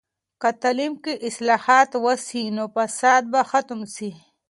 که تعلیم کې اصلاحات وسي، نو فساد به ختم سي.